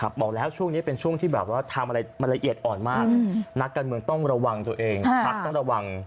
บอกแล้วช่วงนี้เป็นช่วงที่แบบว่าทำอะไรมันละเอียดอ่อนมากนักการเมืองต้องระวังตัวเองพักต้องระวัง